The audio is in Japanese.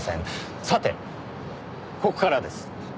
さてここからです。